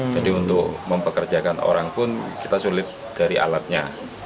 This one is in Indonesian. jadi untuk mempekerjakan orang pun kita sulit dari alatnya